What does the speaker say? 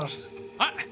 はい！